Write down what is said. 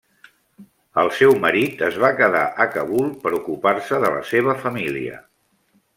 El seu marit es va quedar a Kabul per ocupar-se de la seva família.